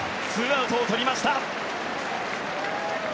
２アウトを取りました。